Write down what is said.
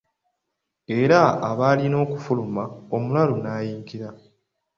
Era aba alina okufuluma omulala n’ayingira.